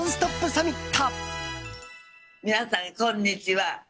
サミット。